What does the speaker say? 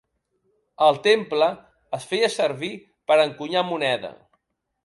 El temple es feia servir per encunyar moneda.